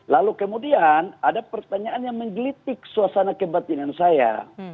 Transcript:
lalu kemudian ada pertanyaan yang menggelitik suasana kebatinan saya